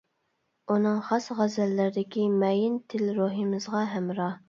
ئۇنىڭ خاس غەزەللىرىدىكى مەيىن تىل روھىمىزغا ھەمراھ.